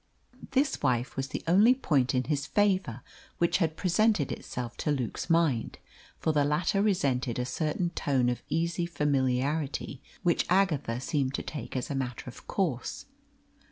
This wife was the only point in his favour which had presented itself to Luke's mind, for the latter resented a certain tone of easy familiarity, which Agatha seemed to take as a matter of course.